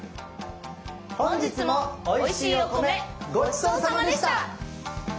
本日もおいしいお米ごちそうさまでした。